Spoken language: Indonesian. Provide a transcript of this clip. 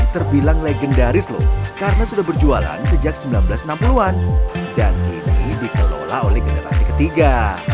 terbilang legendaris loh karena sudah berjualan sejak seribu sembilan ratus enam puluh an dan kini dikelola oleh generasi ketiga